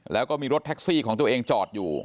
แล้วก็มีรถทของตัวเองจอดอยู่